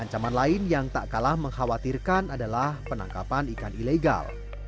ancaman lain yang tak kalah mengkhawatirkan adalah penangkapan ikan ilegal